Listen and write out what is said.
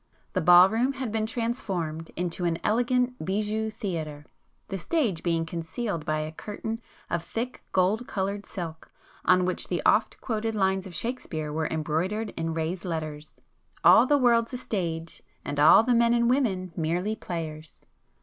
The ball room had been transformed into an elegant bijou theatre, the stage being concealed by a curtain of thick gold coloured silk on which the oft quoted lines of Shakespeare were embroidered in raised letters,— "All the world's a stage, And all the men and women merely players."